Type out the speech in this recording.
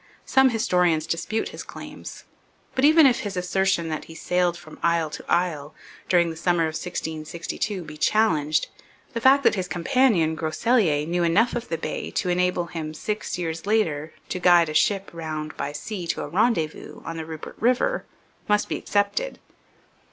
Some historians dispute his claims; but even if his assertion that he sailed 'from isle to isle' during the summer of 1662 be challenged, the fact that his companion, Groseilliers, knew enough of the Bay to enable him six years later to guide a ship round by sea to 'a rendezvous' on the Rupert river must be accepted.